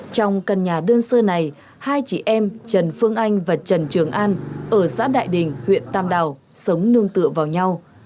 trong căn nhà đơn sơ này hai chị em trần phương anh và trần trường an ở xã đại đình huyện tam đào sống nương tựa vào nhau